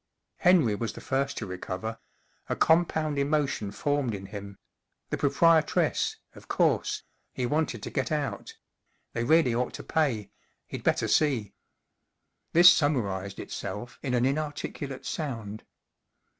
Henry was the first to recover; a compound emotion formed in him : the proprietress—of course—he wanted to get out—they really ought to pay—he'd better see. This summarized itself in an inarticulate sound.